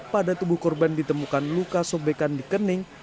pada tubuh korban ditemukan luka sobekan di kening